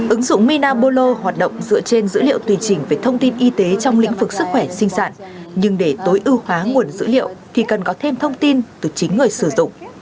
ứng dụng minabolo hoạt động dựa trên dữ liệu tuyển chỉnh về thông tin y tế trong lĩnh vực sức khỏe sinh sản nhưng để tối ưu hóa nguồn dữ liệu thì cần có thêm thông tin từ chính người sử dụng